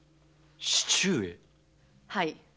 はい。